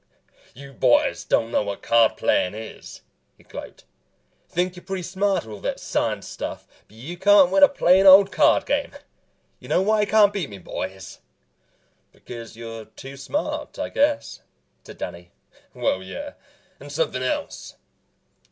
"You boys don't know what card playin' is," he'd gloat. "Think you're pretty smarty with all that science stuff but you can't win a plain old card game. You know why you can't beat me, boys?" "Because you're too smart, I guess," said Danny. "Well, yeah, and somethin' else.